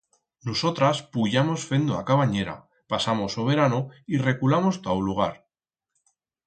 Nusotras puyamos fendo a cabanyera, pasamos o verano y reculamos ta o lugar.